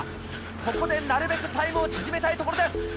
ここでなるべくタイムを縮めたいところです。